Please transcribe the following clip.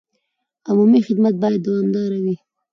عمومي خدمت باید دوامداره وي.